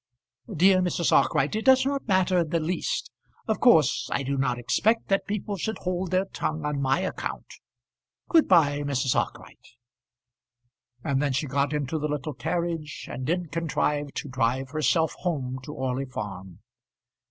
"Dear Mrs. Arkwright, it does not matter in the least. Of course I do not expect that people should hold their tongue on my account. Good bye, Mrs. Arkwright." And then she got into the little carriage, and did contrive to drive herself home to Orley Farm.